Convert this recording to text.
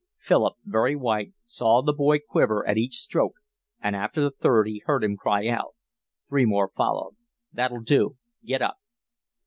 Philip, very white, saw the boy quiver at each stroke, and after the third he heard him cry out. Three more followed. "That'll do. Get up."